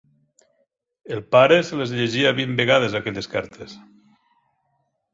El pare se les llegia vint vegades, aquelles cartes.